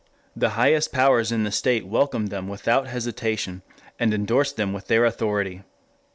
The highest powers in the state welcomed them without hesitation and endorsed them with their authority...